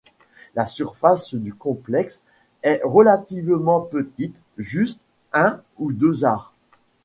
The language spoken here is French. La surface du complexe est relativement petite, juste un ou deux ares.